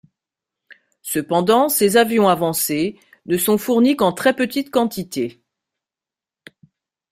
Cependant, ces avions avancés ne sont fournis qu'en très petites quantités.